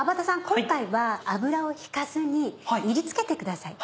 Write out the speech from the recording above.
今回は油を引かずに炒りつけてください。